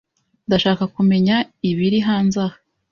Ndashaka kumenya ibiri hanze aha.